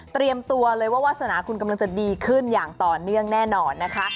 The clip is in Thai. ตัวเลยว่าวาสนาคุณกำลังจะดีขึ้นอย่างต่อเนื่องแน่นอนนะคะ